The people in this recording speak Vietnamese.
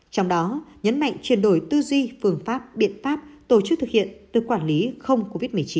trong đó nhấn mạnh chuyển đổi tư duy phương pháp biện pháp tổ chức thực hiện từ quản lý không covid một mươi chín